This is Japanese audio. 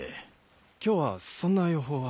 今日はそんな予報は。